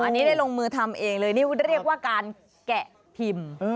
อันนี้ได้ลงมือทำเองเลยนี่เรียกว่าการแกะพิมพ์